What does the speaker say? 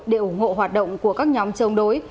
để ủng hộ hoạt động của các nhóm chống đối